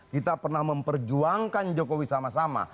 kita pernah memperjuangkan jokowi sama sama